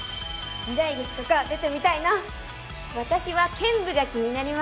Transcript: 時代劇とか出てみたいな。